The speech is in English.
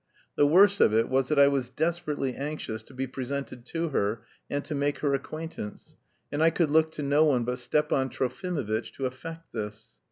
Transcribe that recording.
The worst of it was that I was desperately anxious to be presented to her and to make her acquaintance, and I could look to no one but Stepan Trofimovitch to effect this.